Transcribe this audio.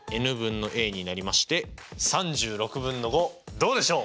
どうでしょう？